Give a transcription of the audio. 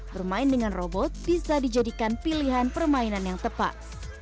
bermain dengan robot bisa dijadikan pilihan permainan yang tepat